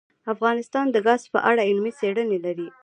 افغانستان د ګاز په اړه علمي څېړنې لري.